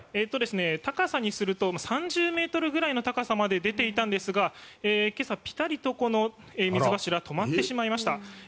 高さにすると３０ｍぐらいの高さまで出ていたんですが今朝、ピタリと水柱止まってしまいました。